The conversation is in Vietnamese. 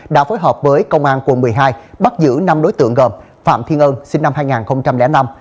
đã phối hợp với công an quận một mươi hai bắt giữ năm đối tượng gồm phạm thiên ân sinh năm hai nghìn năm